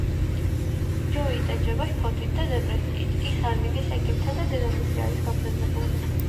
ჯოი იტანჯება შფოთვით და დეპრესიით, ის არ მიდის ექიმთან და დედამისზე არის გაბრაზებული.